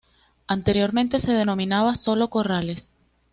Anteriormente se denominaba solo Corrales.